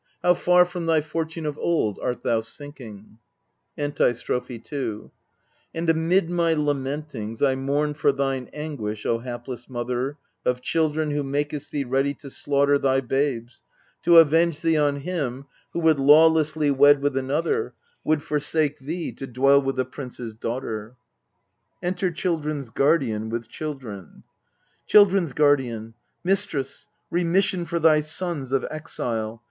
How far from thy fortune of old art thou sinking ! Antistrophe 2 And amid my lamentings I mourn for thine anguish, O hapless mother Of children, who makest thee ready to slaugh ter Thy babes, to avenge thee on him who would lawlessly wed with another, Would forsake thee to dwell with a prince's daughter. Enter CHILDREN'S GUARDIAN, with CHILDREN Children s Guardian. Mistress, remission for thy sons of exile!